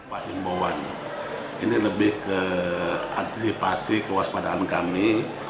mengimbauan ini lebih keantisipasi kewaspadaan kami